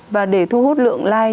và để thu hút lượng like